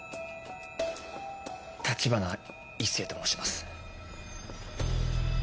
橘一星と申します。